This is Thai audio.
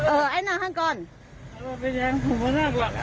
เออไอ้นั่งข้างก่อน